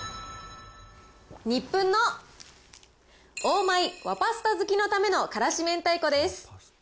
ニップンのオーマイ和パスタ好きのためのからし明太子です。